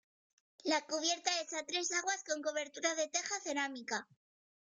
La cubierta es a tres aguas con cobertura de teja cerámica.